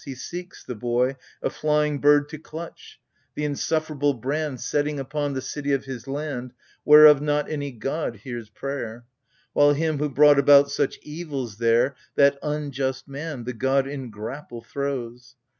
He seeks — the boy — a flying bird to clutch, The insufferable brand Setting upon the city of his land Whereof not any god hears prayer ; While him who brought about such evils there, That unjust man, the god in grapple throws.